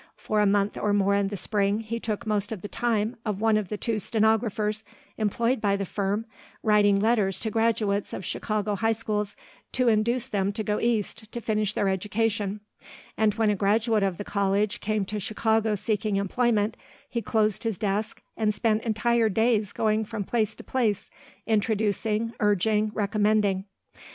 For a month or more in the spring he took most of the time of one of the two stenographers employed by the firm writing letters to graduates of Chicago high schools to induce them to go East to finish their education; and when a graduate of the college came to Chicago seeking employment, he closed his desk and spent entire days going from place to place, introducing, urging, recommending.